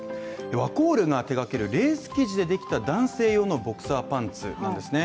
ワコールが手がけるレース生地でできた男性用のボクサーパンツなんですね